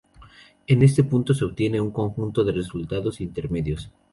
En ese punto se obtiene un conjunto de resultados intermedios.